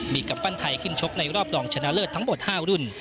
มีกำปั้นไทยขึ้นชกในรอบรองชนะเลิศทั้งหมด๕รุ่น